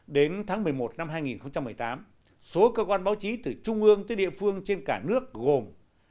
đến tháng một mươi một năm hai nghìn một mươi tám số cơ quan báo chí từ trung ương tới địa phương trên cả nước gồm